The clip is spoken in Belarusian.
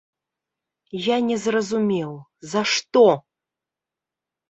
Я не зразумеў, за што?